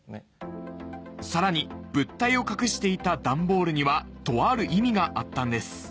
さらに物体を隠していた段ボールにはとある意味があったんです